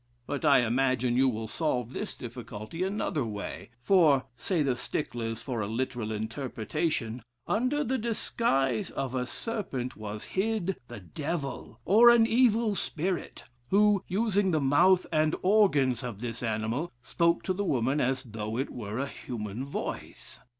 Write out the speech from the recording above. But I imagine you will solve this difficulty another way; for (say the sticklers for a literal interpretation) under the disguise of a serpent was hid the Devil, or an evil spirit, who, using the mouth and organs of this animal, spoke to the woman as though it were a human voice.